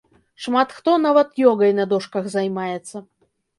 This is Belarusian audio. Шмат хто нават ёгай на дошках займаецца.